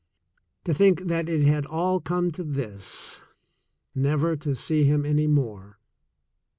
To think that it had all come to this! — Never to see him any more!